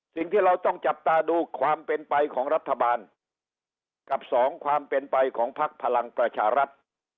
สิ่งที่เราต้องจับตาดูความเป็นไปของรัฐบาลกับสองความเป็นไปของพักพลังประชารัฐ